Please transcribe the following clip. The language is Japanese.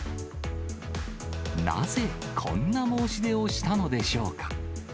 なぜこんな申し出をしたのでしょうか？